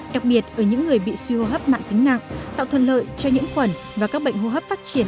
đặc biệt ở những người bị suy hô hấp mạng tính nặng tạo thuận lợi cho những khuẩn và các bệnh hô hấp phát triển